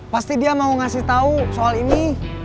pasti dia mau ngasih tahu soal ini